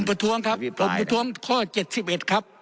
ผมประธวงครับผมประทวงข้อเจ็ดสิบเอ็ดครับ